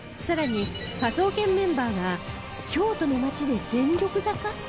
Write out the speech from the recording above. さらに科捜研メンバーが京都の街で全力坂！？